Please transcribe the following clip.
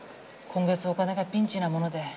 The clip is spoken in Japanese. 今月お金がピンチなもので。